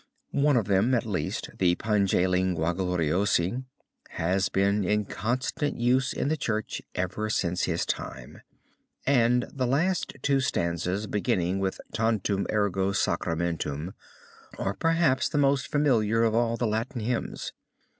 One of them at least, the Pange Lingua Gloriosi, has been in constant use in the church ever since his time, and its two last stanzas beginning with Tantum Ergo Sacramentum, are perhaps the most familiar of all the Latin hymns.